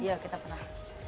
iya kita pernah